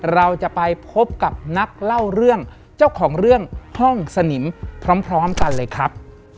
เราจะไปพบกับนักเล่าเรื่องเจ้าของเรื่องห้องสนิมพร้อมกันเลยครับ